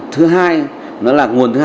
thứ hai nó là nguồn thứ hai